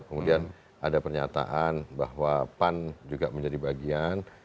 kemudian ada pernyataan bahwa pan juga menjadi bagian